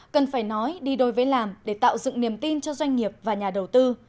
cần phải nói đi đôi với làm để tạo dựng niềm tin cho doanh nghiệp và nhà đầu tư